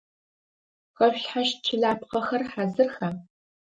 Хэшъулъхьащт чылапхъэхэр хьазырха?